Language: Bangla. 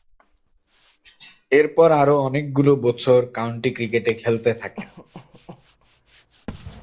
এরপর আরও অনেকগুলো বছর কাউন্টি ক্রিকেটে খেলতে থাকেন।